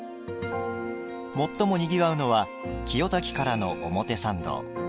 最もにぎわうのは清滝からの表参道。